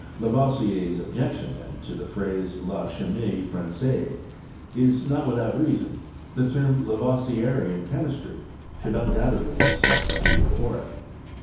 Lavoisier's objection, then, to the phrase La Ckimie Fran^aise, is not without reason, the term Lavoisierian Chemistry should undoubtedly be substituted for it.